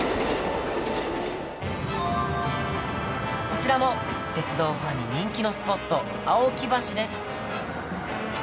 こちらも鉄道ファンに人気のスポット、青木橋です。